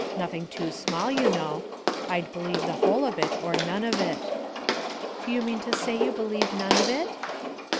Nothing too small, you know. I'd believe the whole of it or none of it." "Do you mean to say j^ou believe none of it?"